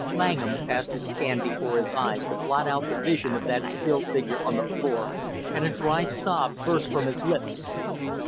Langham passed his hand before his eyes to blot out the vision of that still figure on the floor, and a dry sob burst from his lips.